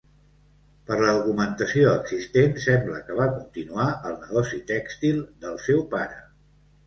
Per la documentació existent, sembla que va continuar el negoci tèxtil del seu pare.